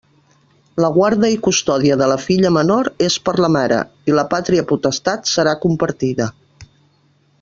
La guarda i custòdia de la filla menor és per a la mare, i la pàtria potestat serà compartida.